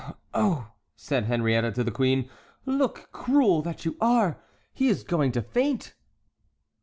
"Oh, oh!" said Henriette to the queen; "look, cruel that you are!—he is going to faint."